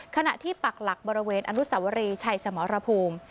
ขณะที่ปักหลักบริเวณอนุสวรีชัยสมรภูมิ